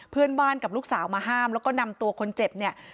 เพื่อนบ้านกับลูกสาวมาห้ามแล้วก็นำตัวคนเจ็บเนี่ย